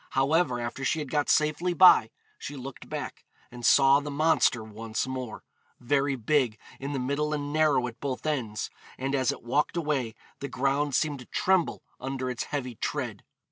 However, after she had got safely by she looked back, and saw the monster once more, 'very big in the middle and narrow at both ends,' and as it walked away the ground seemed to tremble under its heavy tread.